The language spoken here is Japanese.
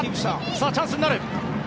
チャンスになる。